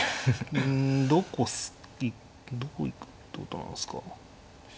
うんどこどこ行くってことなんですか？